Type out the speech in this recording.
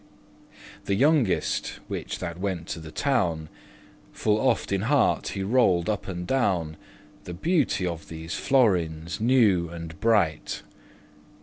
The youngest, which that wente to the town, Full oft in heart he rolled up and down The beauty of these florins new and bright.